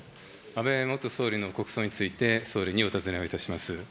安倍元総理の国葬について、総理にお尋ねをいたします。